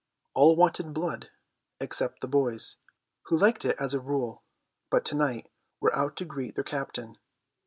All wanted blood except the boys, who liked it as a rule, but to night were out to greet their captain.